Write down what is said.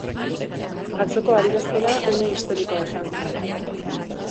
Atzoko adierazpena une historikoa izan zen.